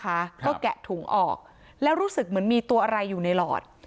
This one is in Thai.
ก็แกะถุงออกแล้วรู้สึกเหมือนมีตัวอะไรอยู่ในหลอด